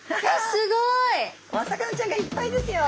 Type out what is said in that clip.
すごい！お魚ちゃんがいっぱいですよ！